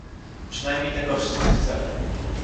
Przynajmniej tego wszyscy chcemy